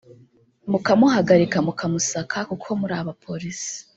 mukamuhagarika mukamusaka kuko muri Abapolisi